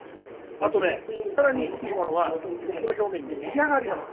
あとね、さらにいいものは肉の表面につやがあります。